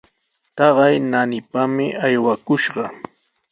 Taqay naanipami aywakushqa.